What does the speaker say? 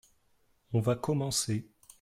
On va commencer.